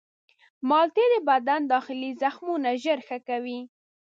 مالټې د بدن داخلي زخمونه ژر ښه کوي.